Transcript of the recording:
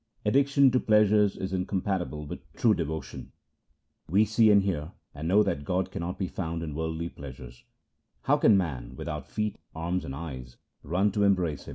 Addiction to pleasures is incompatible with true devotion :— We see, and hear, and know that God cannot be found in worldly pleasures ; How can man without feet, arms, and eyes 2 run to em brace Him